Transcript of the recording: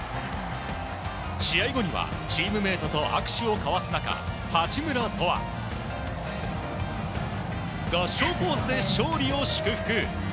試合後にはチームメートと握手を交わす中八村とは、合掌ポーズで勝利を祝福！